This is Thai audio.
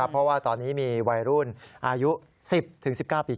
เพราะว่าตอนนี้มีวัยรุ่นอายุ๑๐๑๙ปี